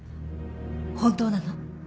本当なの？